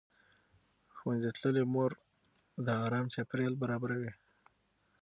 ښوونځې تللې مور د ارام چاپېریال برابروي.